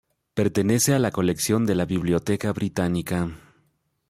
Pertenece a la colección de la Biblioteca Británica.